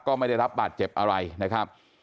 ไม่ได้รับบาดเจ็บอะไรนะครับ